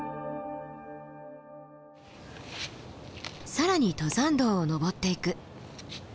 更に登山道を登っていく。